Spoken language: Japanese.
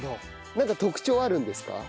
なんか特徴あるんですか？